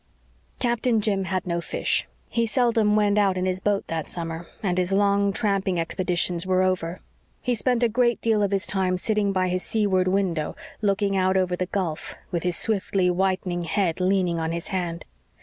Captain Jim had no fish. He seldom went out in his boat that summer, and his long tramping expeditions were over. He spent a great deal of his time sitting by his seaward window, looking out over the gulf, with his swiftly whitening head leaning on his hand.